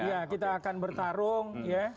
iya kita akan bertarung